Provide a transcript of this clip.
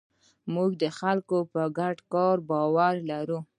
موږ د خلکو په ګډ کار باور لرو.